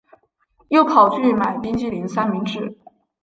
又跑去买冰淇淋三明治